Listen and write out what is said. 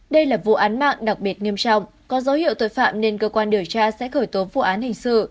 đây là vụ án mạng đặc biệt nghiêm trọng có dấu hiệu tội phạm nên cơ quan điều tra sẽ khởi tố vụ án hình sự